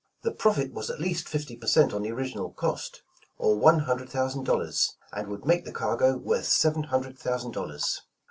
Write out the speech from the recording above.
The profit was at least fifty per cent on the original cost, or one hundred thousand dollars, and would make the cargo worth seven hundred thousand dollars.